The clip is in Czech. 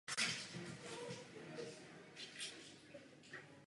Tyto změny skutečně posilují demokratickou legitimitu orgánů Unie.